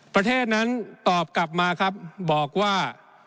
ประเทศนั้นตอบกลับมาครับบอกว่า